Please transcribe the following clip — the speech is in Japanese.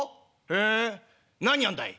へえ何やんだい？」。